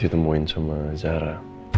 ditemuin sama zara